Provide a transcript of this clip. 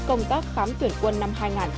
công tác khám tuyển quân năm hai nghìn hai mươi